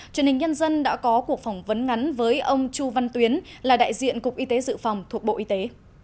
truyền hình nhân dân đã có cuộc phỏng vấn ngắn với ông chu văn tuyến là đại diện cục y tế dự phòng thuộc bộ y tế